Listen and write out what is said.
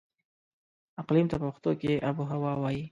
اقليم ته په پښتو کې اوبههوا وايي.